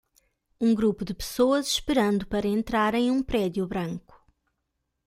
Um grupo de pessoas esperando para entrar em um prédio branco.